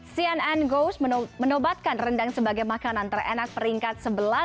cnn goes menobatkan rendang sebagai makanan terenak peringkat sebelas